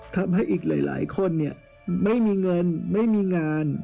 ทำให้อีกหลายคนไม่มีเงินไม่มีงาน